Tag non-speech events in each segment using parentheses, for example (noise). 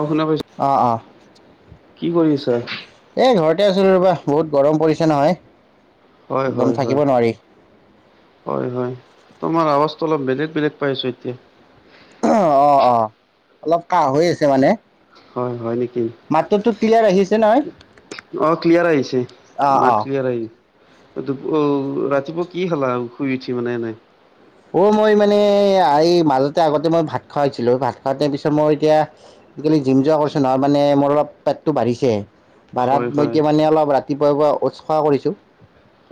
অ', শুনা পাইছোঁ, অ', কি কৰি আছা? এ ঘৰতে আছিলোঁ ৰ'বা, বহুত গৰম পৰিছে নহয়। হয়, একদম হয়, থাকিব হয়, নোৱাৰি। হয়, হয়। তোমাৰ আৱাজটো অলপ বেলেগ বেলেগ পাই আছো এতিয়া কাঁহ হৈ আছে মানে। হয়, হয় নেকি মাতটোতো ক্লিয়াৰ আহিছে নহয় অ', ক্লিয়াৰ আহিছে অ', মাত অ'। ক্লিয়াৰ আহিছে ৰাতিপও-ৰাতিপুৱা কি খালা শুই উঠি মানে এনেই? অ', মই মানে এই মাজতে আগতে মই ভাত খুৱাইছিলো ভাত খাইাৰ পিছত মই এতিয়া আজিকালি জিম যোৱা কৰিছো নহয় মানে মোৰ অলপ পেটটো বাঢ়িছে। পাৰাত হয়, মই হয়, এতিয়া মানে অলপ ৰাতিপুৱাইপুৱাই অ'টছ খোৱা কৰিছো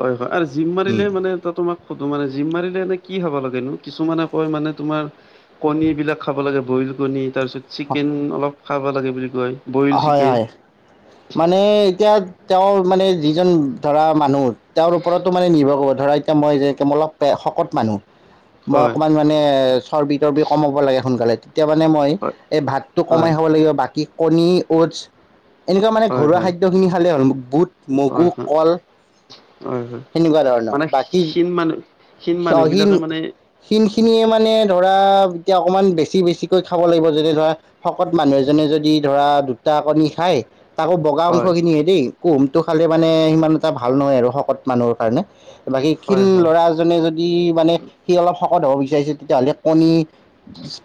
হয়, হয়! আৰু জিম মাৰিলে মানে, ত' তোমাক সুধো মানে, জিম মাৰিলে (unintelligible) কি খাব লাগেনো? কিছুমানে কয় মানে তোমাৰ কণী এবিলাক খাব লাগে মানে বইল কণী তাৰপিছত চিকেন অলপ খাবা লাগে বুলি কয় বইল হয় চিকেন। হয় মানে এতিয়া তেওঁ মানে যিজন ধৰা মানুহ তেওঁৰ ওপৰটো মানে নিৰ্ভৰ হব ধৰা এতিয়া মই যে মলপ পেয়া শকত মানুহ মই হয়, অকণমান মানে চৰ্বি তৰ্বি কমাব লাগে সোনকালে। তেতিয়া মানে মই হয়, এই ভাতটো হয়, কমাই খাব লাগিব বাকী কণী উৎস এনেকুৱা মানে হয়, হয়, ঘৰুৱা হয়, খাদ্যখিনি খালে হ'ল বহুত মগু হয়, হয়, কল হয়। হয়। সেনেকুৱা ধৰণৰ মানে বাকী। ক্ষীণ মানুহ ক্ষীণ মানুহ বিলাকে মানে ক্ষীণ খিনিয়ে মানে ধৰা এতিয়া অকমান বেছি বেছিকৈ খাব লাগিব যদি ধৰা শকত মানুহ এজনে যদি ধৰা দুটা। দুটা কণী খায় তাকো বগা অংশ হয় খিনিহে দেই কোহোমটো খালে মানে সিমান এটা ভাল নহয় আৰু শকত মানুহৰ কাৰণে বাকী ক্ষিন হয় হয় ল'ৰা এজনে যদি মানে সি অলপ শকত হ'ব বিচাৰে। ঠিক আছে তেতিয়াহ'লে কণী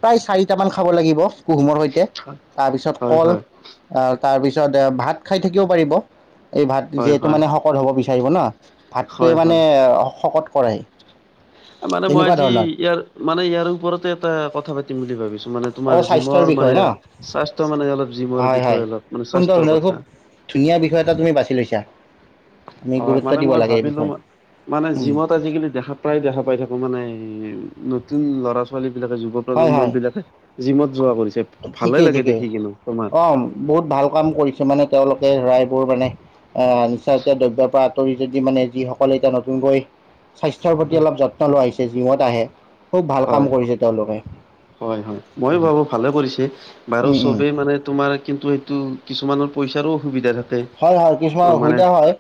প্ৰায় চাৰিট মান খাব লাগিব কুহুমৰ সৈতে তে হয় তাৰপিছত হয় কল তাৰপিছত ভাত খাই থাকিব পাৰিব এই ভাত হয় হয় যিহেতু মানে শকত হ'ব বিচাৰিব ন? ভাতটোৱে হয় মানে হয় শকত কৰাই মানে, মই আজি ইয়াৰ, মানে, ইয়াৰ ওপৰতে এটা, কথা পাতিম বুলি ভাবিছোঁ! মানে অ তোমাৰ স্বাস্থ্যৰ জিমৰ বিষয়ে মানে ন স্বাস্থ্য মানে অলপ জিমৰ হয় হয় বিষয়ে অলপ মানে সুন্দৰ স্বাস্থ্যৰ সুন্দৰ খুব কথা ধুনীয়া বিষয় এটা তুমি বাছি লৈছা। আমি হয় গুৰুত্ব মানে দিব মই লাগে এই ভাবিলো বিষয়ে মই মানে জিমত আজিকালি দেহা প্ৰায় দেখা পাই থাকো মানে নতুন ল'ৰা ছোৱালী বিলাকে যুৱ হয় প্ৰজন্ম হয় বিলাকে জিমত যোৱা কৰিছে ভালেই ঠিকেই লাগে ঠিকেই দেখি কিনো তোমাৰ কিছুমানে তেওঁলোকে ৰায়বোৰ মানে আহ নিচা জাতিয় দ্ৰব্যৰ পৰা আঁতৰি যদি মানে যিসকল এতিয়া নতুন বৈ স্বাস্থ্যৰ প্ৰতি অলপ যত্ন লোৱা হৈছে জিমত আহে খুব ভাল হয় কাম কৰিছে তেওঁলোকে হয় হয় মই ভাবো ভালে কৰিছে বাৰু উম উম চবেই মানে তোমাৰ কিন্তু এটো কিছুমানৰ পইচাৰো অসুবিধা থাকে। হয় হয় অ কিছুমান মানে অসুবিধা হয়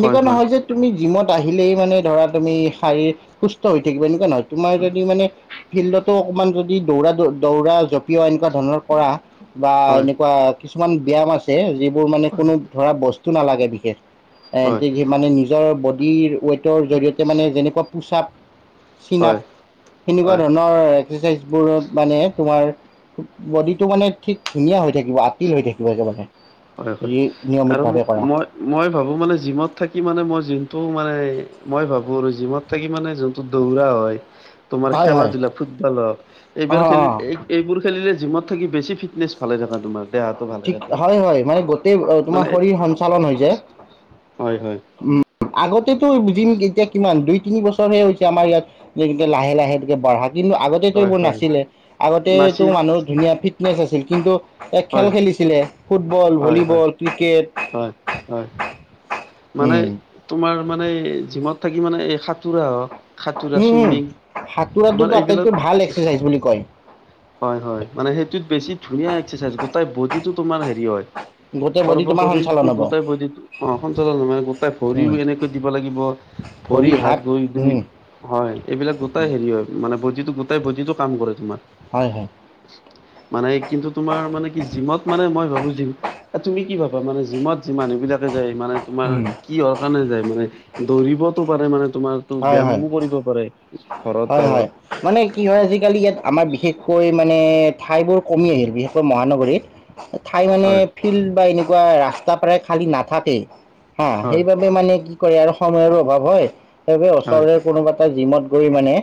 হয় হয় নহয় যে তুমি জিমত আহিলেই মানে ধৰা তুমি শাৰীৰিক সুস্থ হৈ থাকিবা এনেকুৱা নহয় তোমাৰ যদি মানে ফিল্ডতো অকমান যদি দৌৰা দৌ, দৌৰা জপিও এনেকুৱা ধৰণৰ কৰা বা হয় এনেকুৱা কিছুমান ব্যায়াম আছে যিবোৰ মানে কোনো ধৰা বস্তু নালাগে বিশেষ হয় এতিয়া কি মানে নিজৰ বডিৰ ওৱেটৰ জৰিয়তে মানে যেনেকোৱা পুশআপ চিন-আপ হয় হয় সেনেকোৱা ধৰণৰ এক্সেৰচাইজবোৰত মানে তোমাৰ বডিটো মানে ঠিক ধুনীয়া হৈ থাকিব আতিল হৈ থাকিব একেবাৰে হয় হয় যদি আৰু নিয়মিতভাৱে কৰা মই মই ভাবো মানে জিমত থাকি মানে মই যোনটো মানে, মই ভাবোঁ আৰু জিমত থাকি মানে, যোনটো দৌৰা হয়, তোমাৰ হয় খেলা হয় ধূলা ফুটবল হওক অ এবিলাক অ খেলিলে এইবোৰ খেলিলে জিমত থাকি বেছি ফিটনেছ ভালে থাকে তোমাৰ দেহাটো ভালে ঠিক থাকে হয় হয় মানে গোটেই তোমাৰ মানে শৰীৰ সঞ্চালন হৈ যায় হয় হয় উম আগতেতো বুজিম এতিয়া কিমান দুই তিনি বছৰহে হৈছে আমাৰ ইয়াত গতিকে লাহে লাহে এনেকে বঢ়াম কিন্তু আগতেটো হয় এইবোৰ হয় নাছিলে আগতেটো নাছিল মানুহৰ ধুনীয়া ফিটনেচ আছিল কিন্তু খেল হয় খেলিছিলে ফুটবল হয় হয় ভলীবল ক্ৰিকেট হয় হয় মানে উম তোমাৰ মানে জিমত থাকি মানে এই সাঁতোৰা হওক সাঁতোৰা উম উম চুইমিং তোমাৰ সাতোৰাটোতো এইবিলাক আটাইতকৈ ভাল এক্সাৰচাইজ বুলি কয় হয় হয় মানে সেইটোত বেছি ধুনীয়া এক্সাচাইজ গোটেই বডিটো তোমাৰ হেৰি হয় বুট সৰ্ব শৰীৰটো গোটাই বডিতত সঞ্চালন মানে গোটাই ভৰিও উম এনেকৈ দিব লাগিব ভৰি হাত গৈ দুই হয় এইবিলাক গোটাই হেৰি হয় মানে যিটো গোটাই ব'ডিটো কাম কৰে তোমাৰ, হয় হয় মানে কিন্তু তোমাৰ মানে কি জিমত মানে মই ভাবো জিম তুমি কি ভাব বা মানে জিমত যি মানুহ বিলাকে যায় মানে তোমাৰ কি হ কাৰণে যায় মানে দৌৰিবতো পাৰে মানে তোমাৰতো হয় ব্যায়ামো কৰিব পাৰে ঘৰত হয় হয় গাঁৱত মানে কি হয় আজালি ইয়াত আমাৰ বিশষকৈ মানে ঠাইবোৰ কমি আহিল বিশেষকৈ মহানগৰীত। ঠাই মানে হয় ফিল্ড বা এনেকুৱা ৰাস্তা প্ৰায় খালী নাথাকে অহ, হয় সেইবাবে মানে কি কৰে আৰু সময়ৰো অভাৱ হয় সেইবাবে হয় ওচৰৰে কোনোবা এটা জিমত গৈ মানে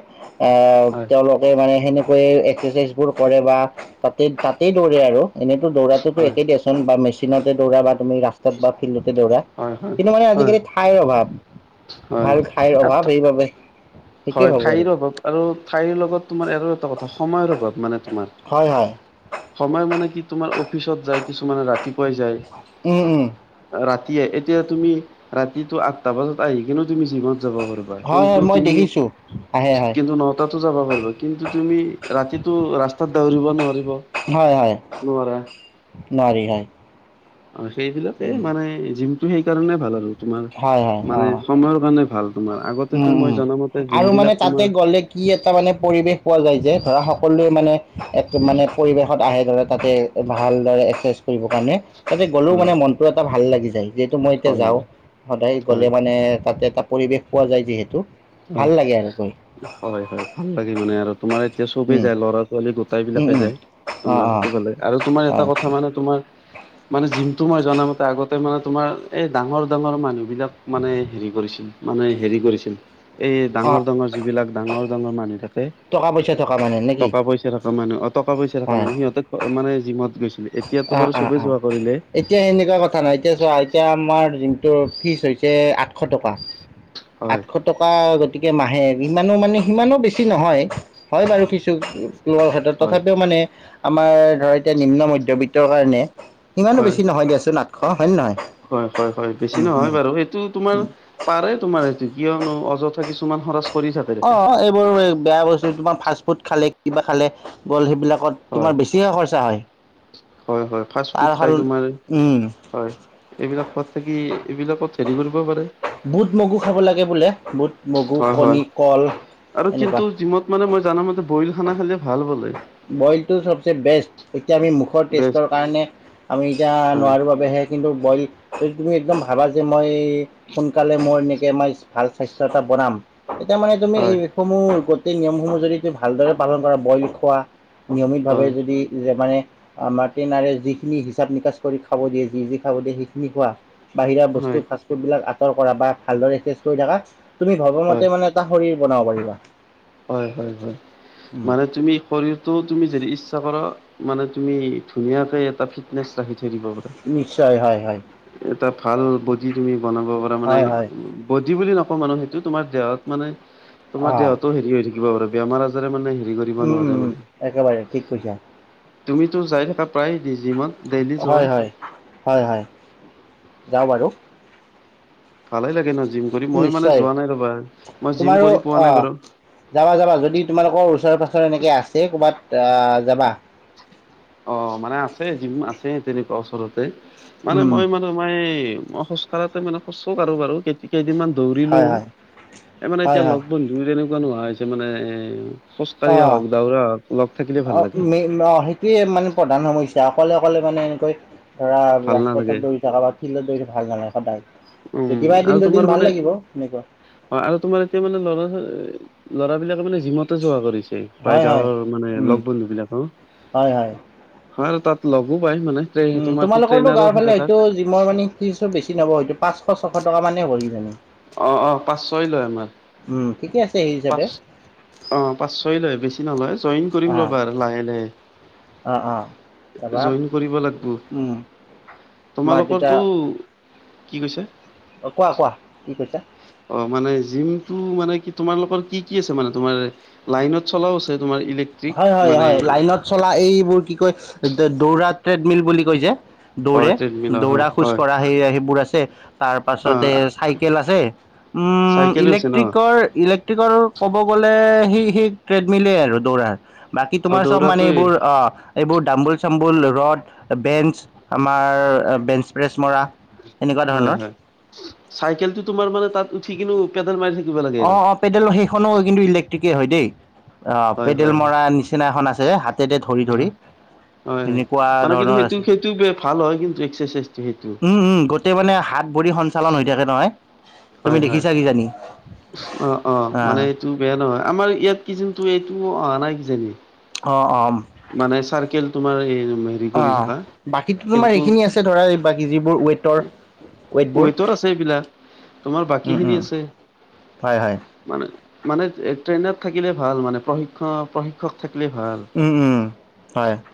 হয় তেওঁলোকে মানে সেনেকৈয়ে এক্সাৰচাইজবোৰ কৰে বা তাতে তাতেই দৌৰে আৰু এনেইত দৌৰাটোতো হয় হয় একেই দিয়াচোন বা মেচিনতে দৌৰা বা তুমি ৰাস্তাত বা ফিল্ডত দৌৰা, হয় হয় কিন্তু মানে আজিকালি ঠাইৰ অভাৱ, হয় ভাল ঠাইৰ অভাৱ সেইবাবে। সেইটোৱে হয় ভাবোঁ আৰু ঠাইৰ অভাৱ আৰু ঠাইৰ লগত তোমাৰ আৰু এটা কথা সময়ৰ অভাৱ মানে। তোমাৰ হয় হয় সময় মানে কি তোমাৰ অফিচত যায় কিছুমানে ৰাতি উম উম ৰাতি এতিয়া তুমি ৰাতিটো আঠটা বজাত আহি কিন্তু তুমি জিমত যাব পাৰিবা হয় হয় কিন্তু মই তুমি দেখিছো আহে হয় কিন্তু নৌকাটো যাব পাৰিব কিন্তু তুমি ৰাতিটো ৰাস্তাত দৌৰিব নোৱাৰিব। হয় হয় নোৱাৰা। নোৱাৰি হয়। অ, সেইবিলাকে উম মানে, জিমটো সেইকাৰণে ভাল আৰু। তোমাৰ হয় হয় অ মানে সময়ৰ কাৰণে ভাল তোমাৰ উম আগতেতো মই উম জনামতে জিম আৰু মানে বিলাক তাতে তোমাৰ গ'লে কি এটা মানে পৰিৱেশ পোৱা যায় যে ধৰা সকলোৱে মানে এক মানে পৰিৱেশত আহে ধৰা তাতে ভালদৰে এক্সচাইজ কৰিবৰ কাৰণে তাতে গ'লেও হয় মানে মনতটো এটা ভাল লাগি যায় যিহেতু মই এতিয়া হয় যাওঁ হয় সদায় গ'লে মানে তাতে ত পৰিৱেশ পোৱা যায় যিহেতু হয়, আৰু গৈ হয়, হয়, ভাল লাগে মানে আৰু তোমাৰ এতিয়া চবেই উম যায় ল'ৰা ছোৱালী গোটাই উম বিলাকে উম যায় অঁ তোমাৰ অঁ সেইটোফালে আৰু তোমাৰ এটা হয় কথা মানে তোমাৰ মানে জিমটো মই জনামতে আগতে মানে তোমাৰ, এই ডাঙৰ ডাঙৰ মানুহ বিলাক মানে হেৰি কৰিছিল, মানে হেৰি কৰিছিল। এই ডাঙৰ অঁ ডাঙৰ যিবিলাক ডাঙৰ ডাঙৰ মানুহ থাকে টকা পইচা থকা মানে নেকি টকা পইচা থকা মানুহ অ টকা পইচা থকা মানুহ সিহঁতে মানে জিমত গৈছিলে অ অ অ এতিয়া সনেকুৱা কথা নাই এতিয়া চোৱা এতিয়া আমাৰ ফিচ হৈছে আঠশ টকা হয় আঠশ টকা গতিকে মাহে ইিমানো মানে সিমানো বেছি নহয় হয় বাৰু কিছুমানৰ ক্ষেত্ৰত হয় তথাপিও মানে আমাৰ ধৰ এতিয়া নিম্ন মধ্যবিত্তৰ কাৰণে ইমানো হয় বেছি নহয় দিয়াচোন আঠশ হয় নে নহয় হয় হয় হয় বেছি নহয় বাৰু এইটো তোমাৰ পাৰে তোমাৰ কিয়নো অযথা কিছুমান সৰচ অ এইবোৰ বেয়া বস্তু তোমাৰ ফাষ্ট ফুড খালে কিবা খালে গ'ল সেইবিলাক হয় তোমাৰ বেছিহে খৰচা হয় হয়, হয়, ফাষ্ট তাৰ ফুড খাই হল তোমাৰ উম হয়, এইবিলাক খোৱাত থাকি এইবিলাকত হেৰি কৰি বুট মগু খাব লাগে বোলে বুট মগু হয় হয় কণী কল আৰু এনেকুৱা কিন্তু জিমত মানে মই জানো ম বইল খানা খালে ভাল বলে বইলটো চবচে বেষ্ট এতিয়া আমি মুখৰ বেষ্ট টেষ্টৰ কাৰণে আমি এতিয়া হয় নোৱাৰোঁ বাবেহে কিন্তু বইল যদি তুমি একদম ভাবা যে মই সোনকালে মই এনেকে আমাৰ ভাল স্বাস্থ্য এটা বনাম এতিয়া মানে তুমি হয় এইসমূহ গোটেই নিয়মসমূহ যদি তুমি ভালদৰে পালন কৰা বইল খোৱা নিয়মিত ভাৱে হয় যদি মানে আমাৰ ট্ৰেইনাৰে যিখিনি হিচাপ নিকাচ কৰি খাব দিয়ে যি যি খাব দিয়ে সেইখিনি খোৱা বাহিৰা বস্তু হয় ফাষ্টফুড বিলাক আঁতৰ কৰা বা ভালদৰে কৰি থাকা তুমি ভবা মতে হয় মানে এটা শৰীৰ বনাব পাৰিবা হয় হয় হয় উম, মানে তুমি শৰীৰটোত তুমি যদি ইচ্ছা কৰা মানে তুমি ধুনীয়াকে এটা ফিটনেছ ৰাখি থ নিশ্চয় হয়-হয়। এটা ভাল বডি তুমি বনাব পৰা মানে হয় হয় বডি বুলি নকওঁ মানুহ সেইটো তোমাৰ দেহত মানে তোমাৰ অঁ দেহতো হেৰি হৈ থাকিব বাৰু বেমাৰ আজাৰে মানে হেৰি কৰিব উম উম নোৱাৰে উম মানে একেবাৰে ঠিক কৈছা তুমিতো যাই থাকা প্ৰায় জিমত ডেইলি যোৱা হয় হয় হয় হয় যাওঁ বাৰু ভালেই লাগে এনে জিম কৰি মই মানে নিশ্চয় যোৱা নাই ৰবা মই জিম তোমাৰো কৰি পোৱা অ নাই বাৰু যাবা যাবা যদি তোমালোকৰ ওচৰে পাঁচৰে এনেকে আছে কৰ'ৰবাত আহ যাবা অ', মানে আছে জিম আছে তেনেকুৱা ওচৰতে মানে উম মই মানে মই মই খোজ কাঢ়াটো মানে খোজো কাঢ়ো বাৰু কেই কেইদিনমান দৌৰিলো হয় হয় এই মানে হয় এতিয়া হয় লগ বন্ধু তেনেকুৱা নোহোৱা হৈছে মানে এ খোজকাঢ়ি অ আহক, দাউৰা আহক লগ থাকিলে অ ভাল লাগে। মে অ সেইটোৱে মানে প্ৰধান সমস্যা অকলে অকলে মানে এনেকৈ ধৰা ভাল ৰাজপথত নালাগে দৌৰি থকা বা ফিল্ডত দৌৰি ভাল নালাগে সদায় উম কেতিয়াবা এদিন আৰু তোমাৰ দুদিন ভাল মানে লাগিব সেনেকুৱা অ', আৰু তোমাৰ এতিয়া মানে ল'ৰা ল'ৰাবলাকে মানে জিমতে যোৱা কৰিছে। প্ৰায় হয় হয় গাঁৱৰ মানে উম লগ বন্ধু বিলাক হয় হয় হ আৰু তাত লগো পায় মানে উম তোমাৰ তোমালোকৰ ট্ৰেইনাৰো গাঁৱৰ তো থাকে তাত ফালেতটো জিমৰ মানে কি চ বেছি নহব হয়তটো পাঁচ এশ ছশ টকা মানেই হ'ব কিজানি অ', অ', পাঁচ ছয় লয় আমাক উম, ঠিকে আছে সেই হিচাপে অ', পাঁচ ছয় লয় বেছি নলয় জইন কৰিম অ, ৰবা আৰু লাহে -লাহে অ' অ' তাৰপৰা উ তোমালোকৰটো কি কৈছে অ', কোৱা-কোৱা কি কৈছা অ', মানে জিমটো মানে কি তোমালোকৰ কি কি আছে মানে তোমাৰ লাইনত চলাও আছে তোমাৰ ইলেক্ট্ৰিক হয় হয় মানে হয় লাইনত চলা এইবোৰ কি কয় দৌৰা ট্ৰেডমিল বুলি কয় যে হয় দৌৰে ট্ৰেডমিলৰ হয় দৌৰা, খোজ হয়। কঢ়া সেয়া সেইবোৰ আছে তাৰ পাছতে অ', চাইকেল আছে উম চাইকেলো আছে ন ইলেক্ট্ৰিকৰ ইলেক্ট্ৰিকৰ ক'ব গ'লে সেই -সেই ট্ৰেডমিলেই আৰু দৌৰাৰ বাকী অ', তোমাৰ চব মানে দৌৰাটোৱে এইবোৰ অ', এইবোৰ দাম্বোল চাম্বুল ৰ'দ বেঞ্চ আমাৰ বেঞ্চ প্ৰেছ মৰা এনেকুৱা ধৰণৰ হয়-হয় চাইকেলটো তোমাৰ মানে তাত উঠি কিনো পেডেল মাৰি থাকি অ', -অ', পেডেলৰ সেইখনো কিন্তু ইলেক্ট্ৰিকে হয় দেই আহ হয় পেডেল হয় হয়। মৰা নিচিনা এখন আছে হাতেৰে ধৰি ধৰি। হয় হয় তেনেকুৱা মানে কিন্তু ধৰণৰ সেইটো আছে সেইটো ভাল হয় কিন্তু এক্সাৰচাইজটো সেইটো উম-উম গোটেই মানে হা হাত ভৰি সঞ্চালন হৈ থাকে নহয় তুমি হয় হয়। দেখিছা কি জানি। অ -অ মানে এইটো বেয়া নহয় আমাৰ ইয়াত কি জিমটো এইটো অহা নাই কিজানি অ -অ মানে চাৰ্কেল তোমাৰ এই হেৰি কৰি অ', থকা বাকী তো তোমাৰ কিন্তু সেইখিনি আছে ধৰা বাকী যিবোৰ ৱেইটৰ ৱেটৰ আছে এইবিলাক তোমাৰ বাকী খিনি আছে। হয় হয়। মানে মানে ট্ৰেইনাৰ থাকিলে ভাল মানে প্ৰশিক্ষ প্ৰশিক্ষক থাকিলে ভাল৷ উম, উম,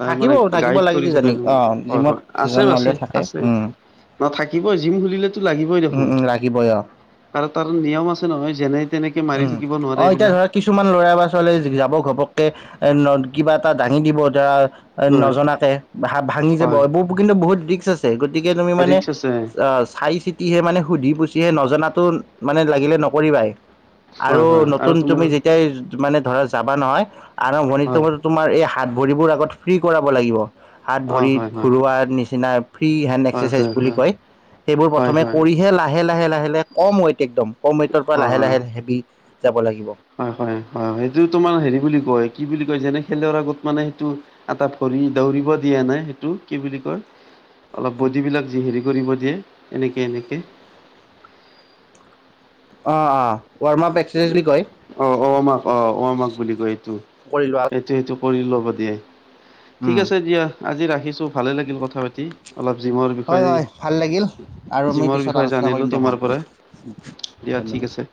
হয় থাকিব মানে থাকিব গাইড লাগে কৰি থাকে কিজানি অঁ হয় জিমত হয় আছে এজন আছে হ'লেও থাকে আছে৷ উম, ন থাকিবই জিম খুলিলেতো লাগিবই উম, দেখোন, উম, লাগিবই অঁ আৰু তাৰ নিয়ম আছে নহয় যেনে তেনেকে মাৰি উম থাকিব নোৱাৰে অ, এতিয়া এইবিলাক ধৰা কিছুমান ল'ৰা বা ছোৱালী যাব ঘপককে। (unintelligible) কিবা এটা দাঙি দিব ধৰা, হয় নজনাকে ভাঙি যাব হয় বহুত কিন্তু বহুত ৰিক্স আছে গতিকে তুমি মানে ৰিক্স আছে চাই চিতিহে মানে সুধি পুচিহে নজনাতো মানে লাগিলে নকৰিবাই। আৰু হয় হয় আৰু নতুন তোমাৰ তুমি, যেতিয়াই মানে ধৰা যাবা নহয় আৰম্ভণিটো হয় তোমাৰ এই হাত ভৰিবোৰ আগত ফ্ৰী কৰাব লাগিব৷ হাত অ ভৰিত হয় হয় ঘূৰোৱাৰ নিচিনা‌ ফ্ৰী হেণ্ড হয় এক্সৰচাইজ হয় বুলি হয় কয়৷ সেইবোৰ হয় প্ৰথমে, হয় কৰিহে লাহে-লাহে-লাহে-লাহে কম ৱেইট একদম কম ৱেইটৰ পৰা লাহে হয় লাহে লাহে হয় হয় হয় সেইটো তোমাৰ হেৰি বুলি কয় কি বুলি যেনে খেলৰ আগত মানে সেইটো এটা ভৰি দৌৰিব দিয়া নাই সেইটো কি বুলি কয়? অলপ বডিবিলাক যি সেৰি কৰিব দিয়ে, এনেকে- এনেকে। অ'! অ'! ৱাৰ্ম আপ এক্সাৰচাইজ বুলি কয় (unintelligible) বুলি কয়, এইটো। কৰিলো আৰু এইটো, সেইটো কৰি ল' দিয় ঠিক উম আছে দিয়া আজি ৰাখিছো ভালে লাগিল কথা পাতি। অলপ জিমৰ হয় বিষয়ে, হয় ভাল লাগিল আৰু আমি জিমৰ পিছত বিষয়ে আলোচনা জানিলো কৰিম দে তোমাৰ ভালকৈ পৰা৷ (unintelligible) দিয়া ঠিক ধন্যবাদ৷ আছে